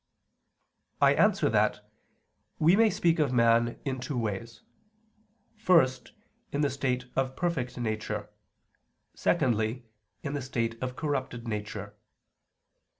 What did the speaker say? I answer that, We may speak of man in two ways: first, in the state of perfect nature; secondly, in the state of corrupted nature.